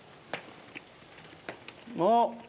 あっ。